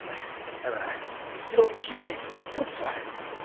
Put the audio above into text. だから一度きれいに取っちまう。